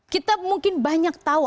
kita mungkin banyak tahu